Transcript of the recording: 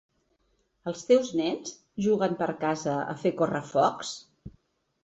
Els teus nens juguen per casa a fer correfocs?